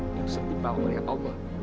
yang setimbang oleh allah